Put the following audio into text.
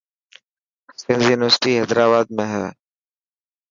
سنڌ يونيورسٽي حيدرآباد ۾ هي.